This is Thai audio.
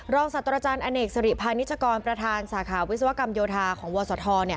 สัตว์อาจารย์อเนกสริพาณิชกรประธานสาขาวิศวกรรมโยธาของวศธ